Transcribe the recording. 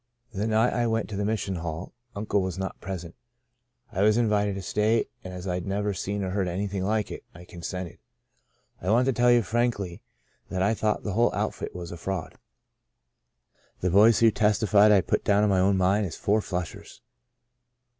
The night I went to the Mission Hall, uncle was not present. I was invited to stay and as I'd never seen or heard anything like it, I consented. I want to tell 1 34 " Out of Nazareth "' you frankly that I thought the whole outfit was a fraud. The boys who testified I put down in my own mind as four flushers.